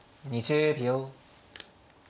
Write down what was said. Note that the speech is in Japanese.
２０秒。